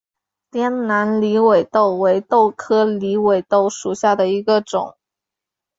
滇南狸尾豆为豆科狸尾豆属下的一个种。